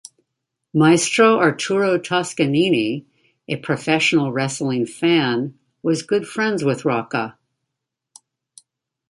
Maestro Arturo Toscanini, a professional wrestling fan, was good friends with Rocca.